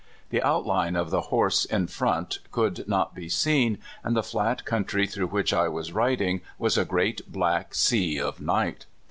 The outline of the horse in front could not be seen, and the flat country through which I was driving was a great black sea of night.